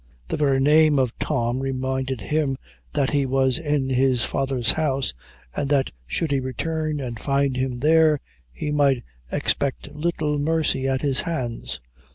The very name of Tom reminded him that he was in his father's house, and that should he return, and find him there, he might expect little mercy at his hands.